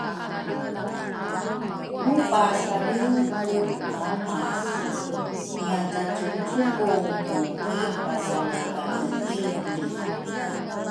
ku pasalriw ku umaumase ngiacacucubungu ki pasalivaneini.